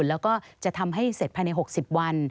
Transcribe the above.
แล้วก็จะทำให้เสร็จภายใน๖๐วัน